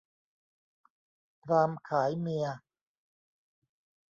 พราหมณ์ขายเมีย